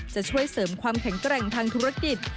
จะช่วยเสริมความแข็งแกร่งทางธุรกิจ